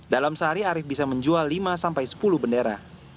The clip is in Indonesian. dalam sehari arief bisa menjual lima sampai sepuluh bendera